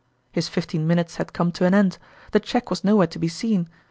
His fifteen minutes had come to an end ; the cheque was nowhere to be seen.